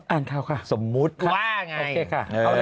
อ่านเขาค่ะโอเคค่ะเอาเลยป่ะ